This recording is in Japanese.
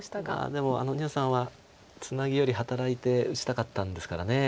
でも牛さんはツナギより働いて打ちたかったんですから。